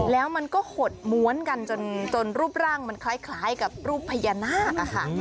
แล้วมันก็หดม้วนกันจนรูปร่างมันคล้ายกับรูปพญานาคค่ะ